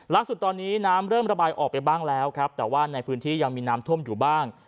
ล่าสุดตอนนี้น้ำเริ่มระบายออกไปบ้างแล้วครับแต่ว่าในพื้นที่ยังมีน้ำท่วมอยู่บ้าง